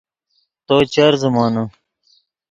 تو چر زخمے